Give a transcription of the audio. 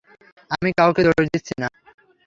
আমি কাউকে দোষ দিচ্ছি না।